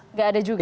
nggak ada juga